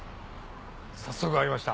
早速ありました。